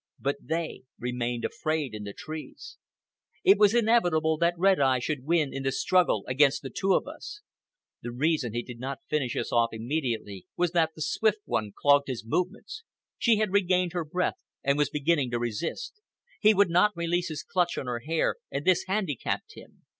But they remained afraid in the trees. It was inevitable that Red Eye should win in the struggle against the two of us. The reason he did not finish us off immediately was that the Swift One clogged his movements. She had regained her breath and was beginning to resist. He would not release his clutch on her hair, and this handicapped him.